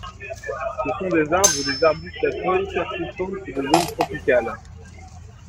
Ce sont des arbres ou des arbustes à feuilles persistantes des zones tropicales.